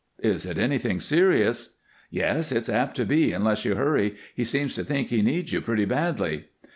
"Is it anything serious?" "Yes, it's apt to be unless you hurry. He seems to think he needs you pretty badly."